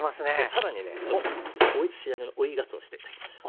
更にねちょっと仕上げの追いがつおしてってあげましょう。